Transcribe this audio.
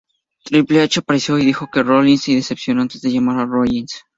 Triple H apareció y dijo que Rollins lo decepcionó, antes de llamar a Rollins.